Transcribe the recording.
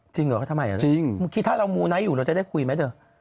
จริงเหรอทำไมคิดถ้าเรามูไนท์อยู่เราจะได้คุยไหมเถอะ